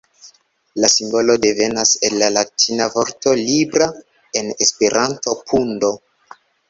La simbolo devenas el la latina vorto "libra", en Esperanto "pundo".